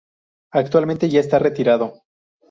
Actualmente ya está retirado.